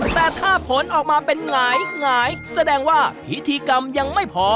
แต่ถ้าผลออกมาเป็นหงายแสดงว่าพิธีกรรมยังไม่พอ